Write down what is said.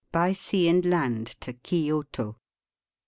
BY SEA AND LAND TO KIOTO.